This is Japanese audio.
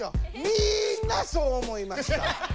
みんなそう思いました。